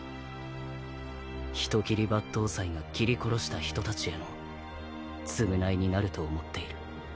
人斬り抜刀斎が斬り殺した人たちへの償いになると思っている。